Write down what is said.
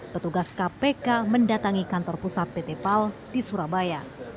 petugas kpk mendatangi kantor pusat pt pal di surabaya